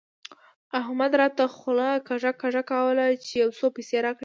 احمد راته خوله کږه کږه کوله چې يو څو پيسې راکړه.